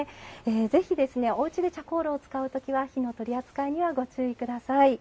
ぜひ、おうちで茶香炉を使うときは火の取り扱いにはご注意ください。